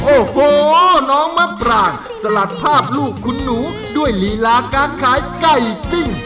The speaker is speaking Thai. โอ้โหน้องมะปรางสลัดภาพลูกคุณหนูด้วยลีลาการขายไก่ปิ้ง